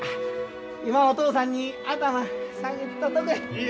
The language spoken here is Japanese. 今お父さんに頭下げてたとこや。